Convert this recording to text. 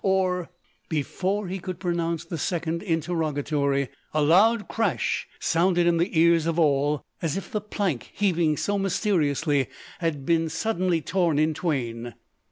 Or " Before he could pronounce the second interrogatory, a loud crash sounded in the ears of all, as if the plank heaving so mysteriously had been suddenly torn in twain!